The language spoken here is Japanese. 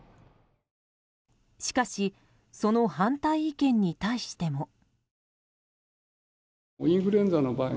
しかしその反対意見に対しても。